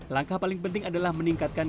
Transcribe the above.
langkah paling penting adalah meningkatkan